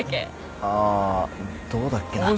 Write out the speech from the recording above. あどうだっけな？